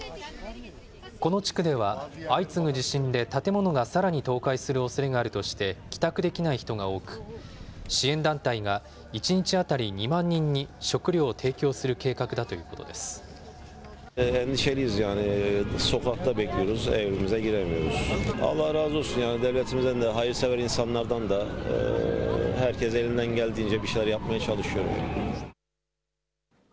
この地区では、相次ぐ地震で建物がさらに倒壊するおそれがあるとして帰宅できない人が多く、支援団体が、１日当たり２万人に食料を提供する計画だということです。